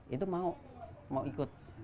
itu mau mau ikut